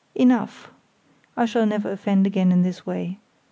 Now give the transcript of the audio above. Enough! I shall never offend again in this way.